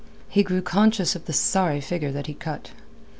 He grew conscious of the sorry figure that he cut.